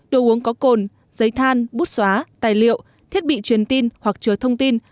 đồ uống có cồn giấy than bút xóa tài liệu thiết bị truyền tin hoặc chứa thông tin